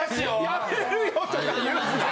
辞めるよとか言うな。